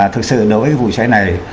thực sự đối với vụ cháy này